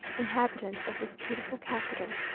"Inhabitants of this beautiful capital!"